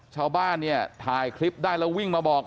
ชาวบ้านเนี่ยถ่ายคลิปได้แล้ววิ่งมาบอก